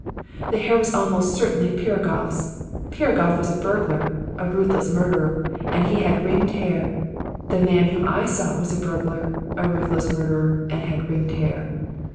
"The hair was almost certainly Piragoff's. Piragoff was a burglar, a ruthless murderer, and he had ringed hair. The man whom I sought was a burglar, a ruthless murderer, and had ringed hair.